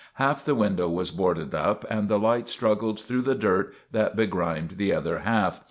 Half the window was boarded up, and the light struggled through the dirt that begrimed the other half.